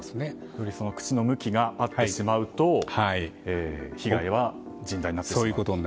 より口の向きが合ってしまうと被害は甚大になってしまうと。